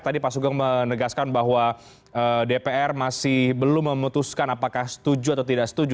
tadi pak sugeng menegaskan bahwa dpr masih belum memutuskan apakah setuju atau tidak setuju